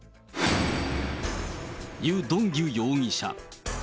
ユ・ドンギュ容疑者。